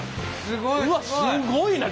すごいな。